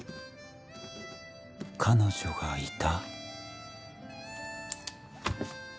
「彼女がいた？」